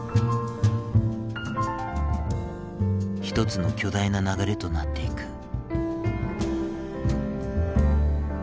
一つの巨大な流れとなっていく。